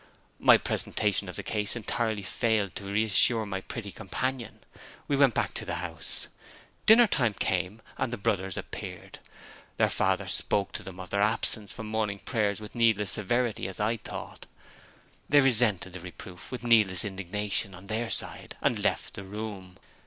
My presentation of the case entirely failed to re assure my pretty companion. We went back to the house. Dinner time came, and the brothers appeared. Their father spoke to them of their absence from morning prayers with needless severity, as I thought. They resented the reproof with needless indignation on their side, and left the room.